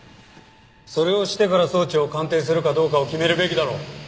それをしてから装置を鑑定するかどうかを決めるべきだろう。